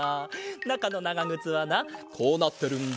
なかのながぐつはなこうなってるんだ。